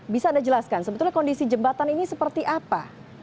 bisa anda jelaskan sebetulnya kondisi jembatan ini seperti apa